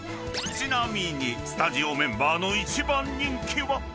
［ちなみにスタジオメンバーの一番人気は］